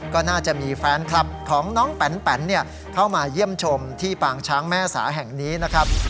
ก็น่าจะมีแฟนคลับของน้องแปนเข้ามาเยี่ยมชมที่ปางช้างแม่สาแห่งนี้นะครับ